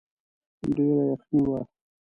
ډېره يخني وه.